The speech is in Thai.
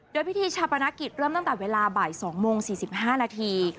โดยพิธีชาปนกิจเริ่มตั้งแต่เวลาบ่าย๒โมง๔๕นาที